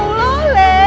ya allah le